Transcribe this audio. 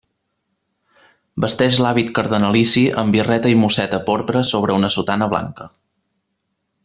Vesteix l'hàbit cardenalici amb birreta i musseta porpra sobre una sotana blanca.